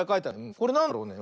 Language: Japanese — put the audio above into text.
これなんだろうね？